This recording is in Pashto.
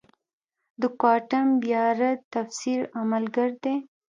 د کوانټم بیارد تفسیر عملگر دی.